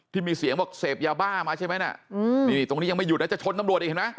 ที่มีเสียงบอกเสพยาบ้ามาใช่ไหมน่ะอืมนี่ตรงนี้ยังไม่หยุดนะจะชนตำรวจอีกเห็นไหม